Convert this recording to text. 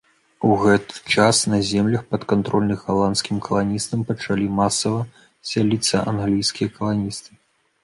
У гэты жа час на землях, падкантрольных галандскім каланістам пачалі масава сяліцца англійскія каланісты.